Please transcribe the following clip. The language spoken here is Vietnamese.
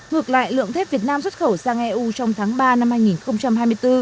ngược lại lượng thép việt nam xuất khẩu sang eu trong tháng ba năm hai nghìn hai mươi bốn